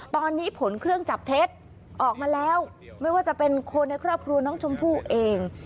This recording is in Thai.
ตอนนี้ผลเครื่องจับเท็จออกมาแล้วไม่ว่าจะเป็นคนในครอบครัวน้องชมพู่เอง